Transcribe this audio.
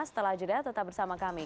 setelah jeda tetap bersama kami